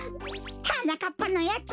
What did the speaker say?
はなかっぱのやつ